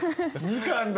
みかんだ！